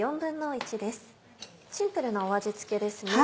シンプルな味付けですね。